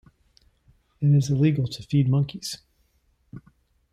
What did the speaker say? It is illegal to feed monkeys.